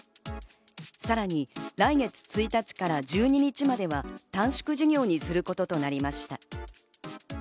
さらに来月１日から１２日までは短縮授業にすることとなりました。